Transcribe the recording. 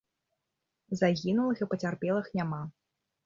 Загінулых і пацярпелых няма.